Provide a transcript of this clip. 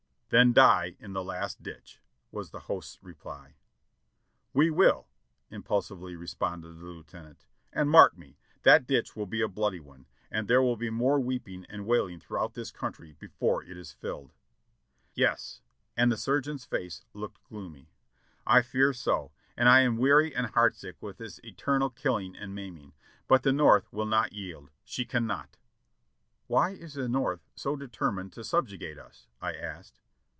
"Then die in the last ditch !" was the host's reply. "We will !" impulsively responded the Lieutenant ; "and mark me, that ditch will be a bloody one, and there will be more weep ing and wailing throughout this country before it is filled." "Yes," and the surgeon's face looked gloomy, "I fear so, and I am weary and heartsick with this eternal killing and maiming; but the North will not yield, she cannot." I THE PEACE CONFERENCE 641 "Why is the North so determined to subjugate us?" I asked.